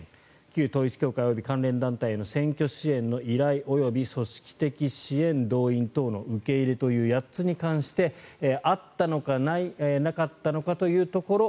旧統一教会及び関連団体への選挙支援の依頼及び組織的支援動員等の受け入れという８つに関してあったのかなかったのかというところ。